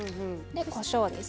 こしょうです。